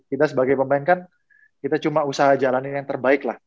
kita sebagai pemain kan kita cuma usaha jalanin yang terbaik lah